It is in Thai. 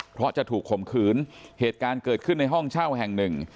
เพราะจะถูกข่มขืนเหตุการณ์เกิดขึ้นในห้องเช่าแห่งหนึ่ง